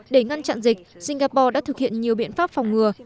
để ngăn chặn dịch singapore đã thực hiện nhiều biện pháp phòng ngừa